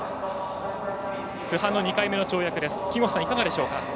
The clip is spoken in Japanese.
津波の２回目の跳躍木越さん、いかがでしょうか。